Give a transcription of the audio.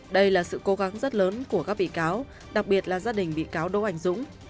đây là sự cố gắng rất lớn của các bị cáo đặc biệt là gia đình bị cáo đỗ anh dũng